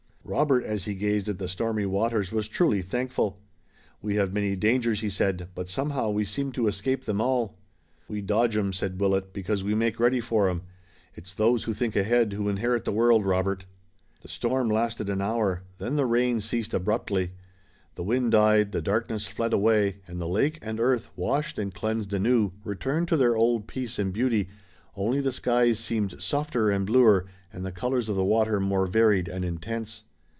Robert as he gazed at the stormy waters was truly thankful. "We have many dangers," he said, "but somehow we seem to escape them all." "We dodge 'em," said Willet, "because we make ready for 'em. It's those who think ahead who inherit the world, Robert." The storm lasted an hour. Then the rain ceased abruptly. The wind died, the darkness fled away and the lake and earth, washed and cleansed anew, returned to their old peace and beauty, only the skies seemed softer and bluer, and the colors of the water more varied and intense.